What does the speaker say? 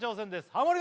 ハモリ